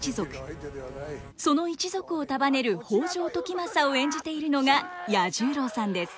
その一族を束ねる北条時政を演じているのが彌十郎さんです。